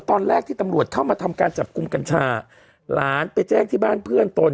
ตอนแรกที่ตำรวจเข้ามาทำการจับกลุ่มกัญชาหลานไปแจ้งที่บ้านเพื่อนตน